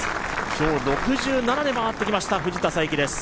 今日６７で回ってきました、藤田さいきです。